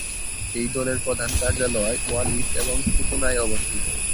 এই দলের প্রধান কার্যালয় ওয়ালিস এবং ফুতুনায় অবস্থিত।